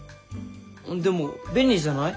でも便利じゃない？